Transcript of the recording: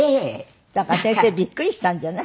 だから先生びっくりしたんじゃない？